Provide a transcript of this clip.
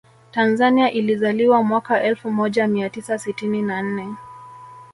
Tanzania ilizaliwa mwaka Elfu moja miatisa sitini na nne